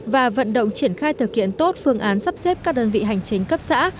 và vận động triển khai thực hiện tốt phương án sắp xếp các đơn vị hành chính cấp xã